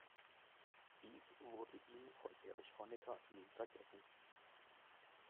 Dies wurde ihm von Erich Honecker nie vergessen.